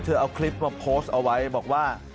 เอาคลิปมาโพสต์เอาไว้บอกว่า